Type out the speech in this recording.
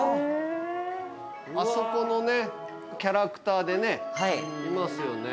あそこのキャラクターでいますよね。